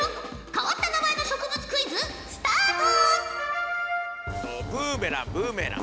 変わった名前の植物クイズスタート！